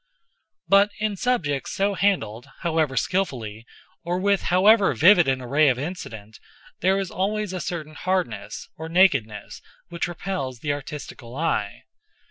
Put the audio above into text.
But in subjects so handled, however skillfully, or with however vivid an array of incident, there is always a certain hardness or nakedness, which repels the artistical eye.